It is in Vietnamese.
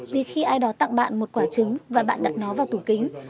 vì khi ai đó tặng bạn một quả trứng và bạn đặt nó vào tủ kính